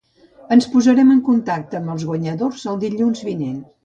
Ens posarem en contacte amb els guanyadors el dilluns divuit.